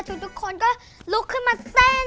ทุกคนก็ลุกขึ้นมาเต้น